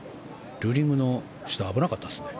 ルーリングの人危なかったですね。